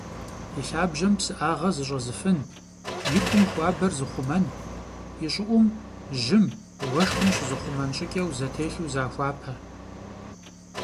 Илъабжьэм псыӏагъэ зыщӏэзыфын, икум хуабэр зыхъумэн, ищӏыӏум жьым, уэшхым щызыхъумэн щӏыкӏэу зэтелъу захуапэ.